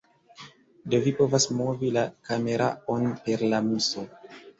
Do vi povas movi la kameraon per la muso.